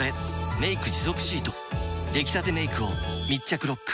「メイク持続シート」出来たてメイクを密着ロック！